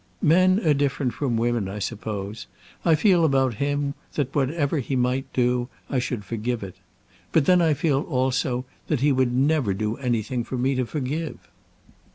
"Men are different from women, I suppose. I feel about him that whatever he might do I should forgive it. But then I feel, also, that he would never do anything for me to forgive."